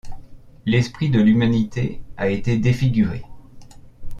L'esprit de l'humanité a été défiguré.